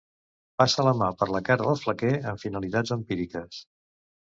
Passa la mà per la cara del flequer amb finalitats empíriques.